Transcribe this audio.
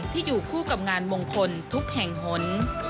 ที่อยู่คู่กับงานมงคลทุกแห่งหน